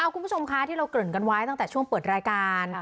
คุณผู้ชมคะที่เราเกริ่นกันไว้ตั้งแต่ช่วงเปิดรายการ